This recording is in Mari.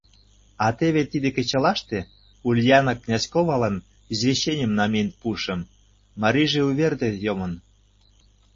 А теве тиде кечылаште Ульяна Князьковалан извещенийым намиен пуышым: марийже уверде йомын.